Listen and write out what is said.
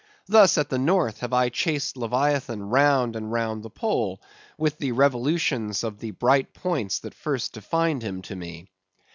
Thus at the North have I chased Leviathan round and round the Pole with the revolutions of the bright points that first defined him to me.